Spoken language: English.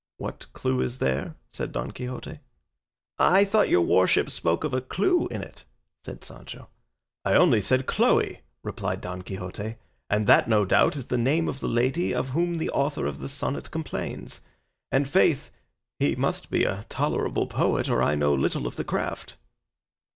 "What clue is there?" said Don Quixote. "I thought your worship spoke of a clue in it," said Sancho. "I only said Chloe," replied Don Quixote; "and that no doubt, is the name of the lady of whom the author of the sonnet complains; and, faith, he must be a tolerable poet, or I know little of the craft."